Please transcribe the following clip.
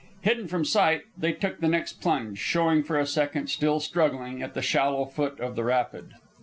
Hidden from sight, they took the next plunge, showing for a second, still struggling, at the shallow foot of the rapid.